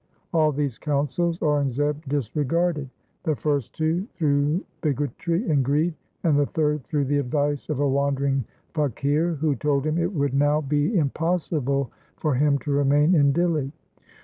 All these counsels Aurangzeb disregarded, the first two through bigotry and greed, and the third through the advice of a wandering faqir who told him it would now be impossible for him to remain in Dihli.